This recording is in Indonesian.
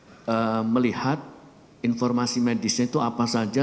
sehingga dokter sudah bisa melihat informasi medisnya itu apa saja